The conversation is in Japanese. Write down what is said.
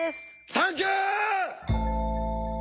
サンキュー！